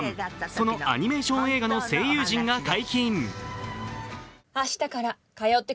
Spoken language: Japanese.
そのアニメーション映画の声優陣が解禁。